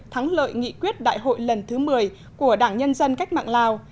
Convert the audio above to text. thắng lợi nghị quyết đại hội lần thứ một mươi của đảng nhân dân cách mạng lào